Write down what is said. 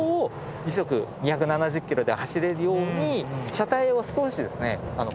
車体を少しですね。